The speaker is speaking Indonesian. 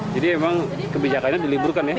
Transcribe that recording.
jadi memang kebijakan ini diliburkan ya